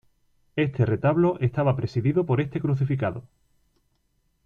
Este retablo estaba presidido por este crucificado.